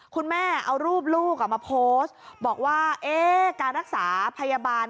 คุณแม่เอารูปลูกมาโพสต์บอกว่าการรักษาพยาบาล